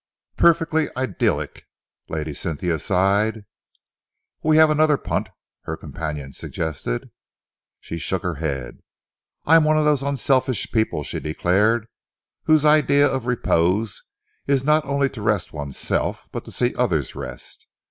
"Perfectly idyllic," Lady Cynthia sighed. "We have another punt," her companion suggested. She shook her head. "I am one of those unselfish people," she declared, "whose idea of repose is not only to rest oneself but to see others rest.